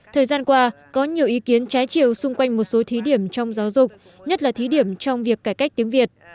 thời gian qua có nhiều ý kiến trái chiều xung quanh một số thí điểm trong giáo dục nhất là thí điểm trong việc cải cách tiếng việt